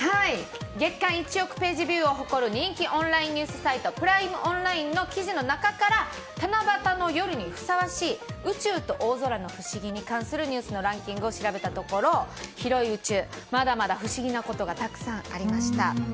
月間１億ＰＶを誇る人気オンラインニュースサイトプライムオンラインの記事の中から七夕の夜にふさわしい宇宙と大空の不思議に関するニュースのランキングを調べたところ、広い宇宙まだまだ不思議なことがたくさんありました。